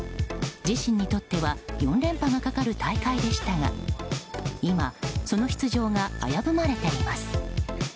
自身にとっては４連覇のかかる大会でしたが今、その出場が危ぶまれています。